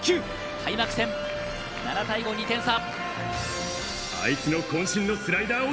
開幕戦７対５２点差。